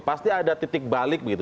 pasti ada titik balik begitu